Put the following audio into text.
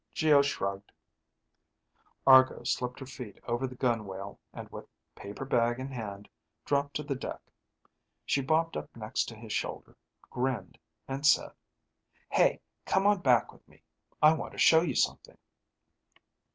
Geo shrugged. Argo slipped her feet over the gunwale and with paper bag in hand, dropped to the deck. She bobbed up next to his shoulder, grinned, and said, "Hey, come on back with me. I want to show you something."